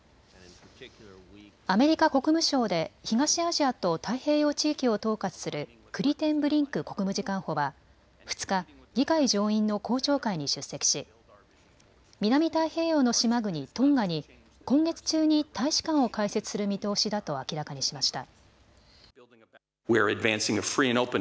アメリカ国務省で東アジアと太平洋地域を統括するクリテンブリンク国務次官補は２日、議会上院の公聴会に出席し南太平洋の島国トンガに今月中に大使館を開設する見通しだと明らかにしました。